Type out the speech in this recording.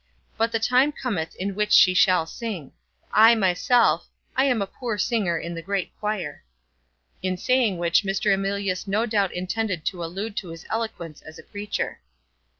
But the time cometh in which she shall sing. I, myself, I am a poor singer in the great choir." In saying which Mr. Emilius no doubt intended to allude to his eloquence as a preacher.